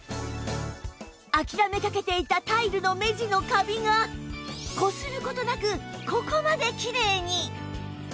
諦めかけていたタイルの目地のカビがこする事なくここまできれいに！